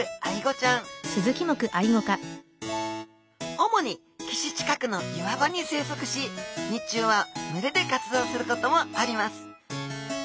主に岸近くの岩場に生息し日中は群れで活動することもあります